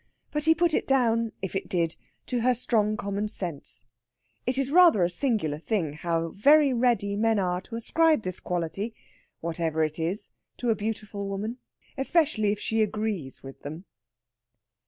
But he put it down, if it did, to her strong common sense. It is rather a singular thing how very ready men are to ascribe this quality whatever it is to a beautiful woman. Especially if she agrees with them.